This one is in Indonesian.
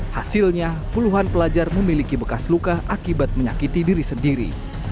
hasilnya puluhan pelajar memiliki bekas luka akibat menyakiti diri sendiri